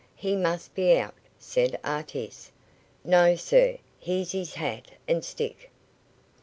"He must be out," said Artis. "No, sir; here's his hat and stick."